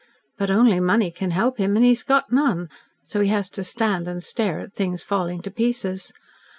But only money can help him, and he's got none, so he has to stand and stare at things falling to pieces.